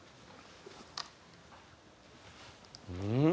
うん？